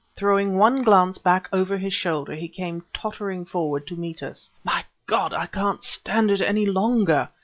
Throwing one glance back over his shoulder he came tottering forward to meet us. "My God! I can't stand it any longer!"